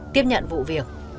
tiếp nhận vụ việc